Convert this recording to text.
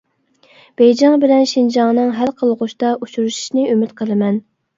بېيجىڭ بىلەن شىنجاڭنىڭ ھەل قىلغۇچتا ئۇچرىشىشىنى ئۈمىد قىلىمەن.